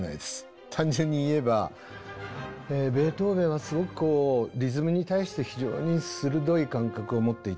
単純に言えばベートーヴェンはすごくこうリズムに対して非常に鋭い感覚を持っていた。